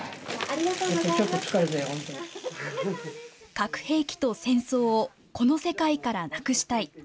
核兵器と戦争をこの世界からなくしたい。